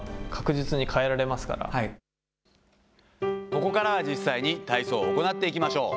ここからは実際に体操を行っていきましょう。